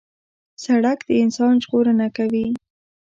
سړک د انسان ژغورنه کوي.